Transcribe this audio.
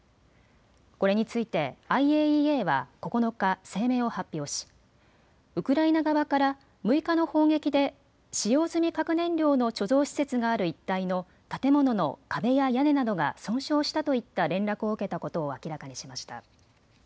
これについてＩＡＥＡは９日、声明を発表しウクライナ側から６日の砲撃で使用済み核燃料の貯蔵施設がある一帯の建物の壁や屋根などが損傷したといった連絡を受けたことを明らかにしました。